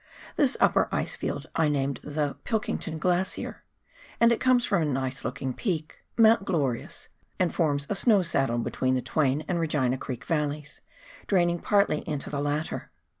This upper ice field I named the Pilkington Glacier," and it comes from a nice looking peak, TWAIN RIVER. 24f5 Mount Glorious, and forms a snow saddle between the Twain and Regina Creek Valleys, draining partly into the latter.